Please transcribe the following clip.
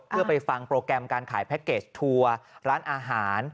เพื่อไปฟังโปรแกรมการขายแพ็คเกจทัวร์ร้านอาหาร